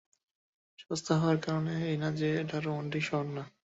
সস্তা হওয়ার কারণে এই না যে এটা রোমান্টিক শহর না।